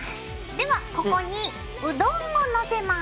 ではここにうどんを載せます。